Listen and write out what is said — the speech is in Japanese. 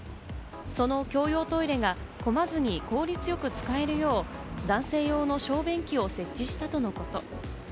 その共用トイレが混まずに効率よく使えるよう男性用の小便器を設置したとのこと。